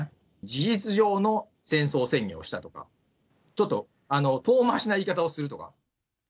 事実上の戦争宣言をしたとか、ちょっと遠回しな言い方をするとか。